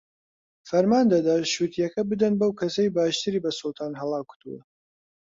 فەرمان دەدا شووتییەکە بدەن بەو کەسەی باشتری بە سوڵتان هەڵاکوتووە